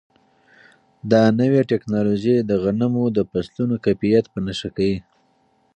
دا نوې ټیکنالوژي د غنمو د فصلونو کیفیت په نښه کوي.